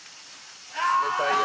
冷たいよ。